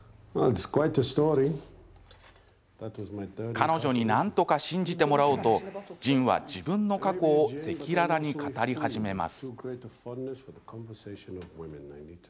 彼女になんとか信じてもらおうとジンは自分の過去を赤裸々に語り始めます。